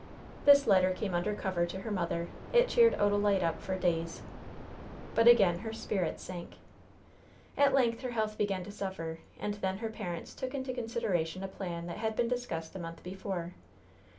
This letter came under cover to her mother. It cheered Odalite up for days. But again her spirits sank. At length her health began to suffer, and then her parents took into consideration a plan that had been discussed a month before.